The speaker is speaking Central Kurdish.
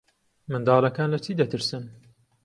منداڵەکان لە چی دەترسن؟